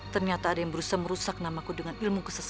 ternyata ada yang berusaha merusak namaku dengan ilmu kesesatannya